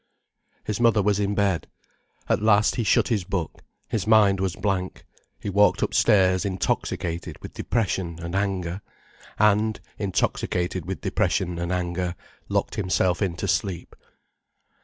His mother was in bed. At last he shut his book, his mind was blank, he walked upstairs intoxicated with depression and anger, and, intoxicated with depression and anger, locked himself into sleep.